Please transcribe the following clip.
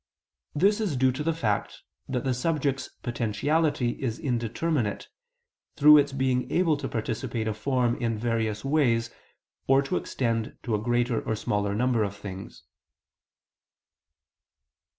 This is due to the fact that the subject's potentiality is indeterminate, through its being able to participate a form in various ways, or to extend to a greater or a smaller number of things.